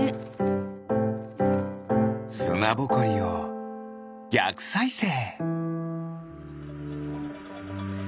すなぼこりをぎゃくさいせい！